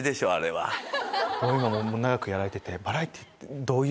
長くやられてて。